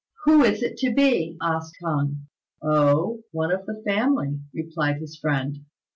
"Who is it to be?" asked K'ung. "Oh, one of the family," replied his friend.